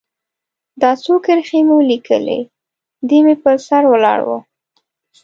دا څو کرښې مې ولیکلې، دی مې پر سر ولاړ و.